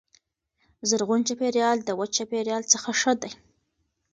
زرغون چاپیریال د وچ چاپیریال څخه ښه دی.